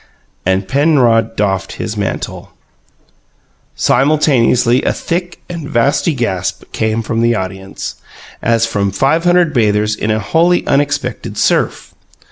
And Penrod doffed his mantle. Simultaneously, a thick and vasty gasp came from the audience, as from five hundred bathers in a wholly unexpected surf.